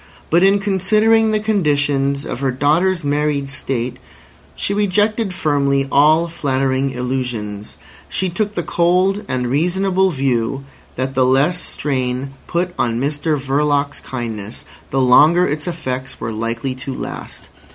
But in considering the conditions of her daughter's married state, she rejected firmly all flattering illusions. She took the cold and reasonable view that the less strain put on Mr Verloc's kindness the longer its effects were likely to last.